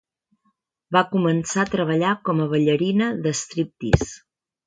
Va començar a treballar com a ballarina de striptease.